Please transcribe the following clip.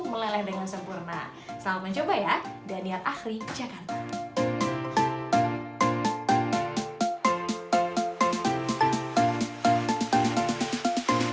meleleh dengan sempurna selamat mencoba ya danian akhri jakarta